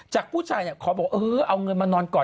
จากผู้ชายเนี่ยขอบอกเออเอาเงินมานอนก่อน